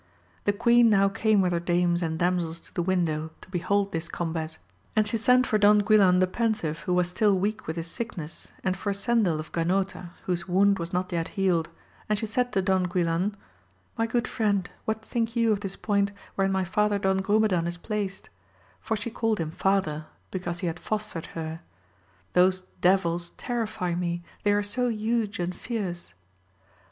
The queen now came with her dames AMADIS OF GAUL 65 and damsels to the window, to behold this combat ; and she sent for Don Guilan the Pensi^'e, who was still weak with his sickness, and for Cendil of Ganota, whose wound was not yet healed ; and she said to Don GuUan, my good friend, what think you of this point wherein my father Don Grumcdan is placed 1 for she called him father, because he had fostered her ; those devils terrify me, they are so huge and fierce.